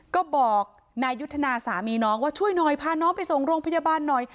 ก็บอกนายุทธนาสามีน้องว่าช่วยหน่อยพาน้องไปส่งโรงพยาบาลหน่อย